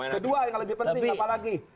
kedua yang lebih penting apa lagi